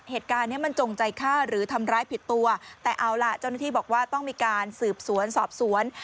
เหตุการณ์เนี้ยมันจงใจฆ่าหรือทำร้ายผิดตัวแต่เอาล่ะเจ้าหน้าที่บอกว่าต้องมีการสืบสวนสอบสวน